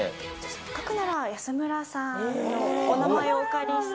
せっかくなら安村さんのお名前をお借りして。